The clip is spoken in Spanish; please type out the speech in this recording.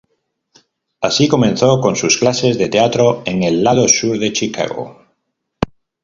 Así comenzó con sus clases de teatro en el lado sur de Chicago.